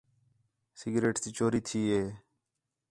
سگریٹ تی چوری تھی ہِے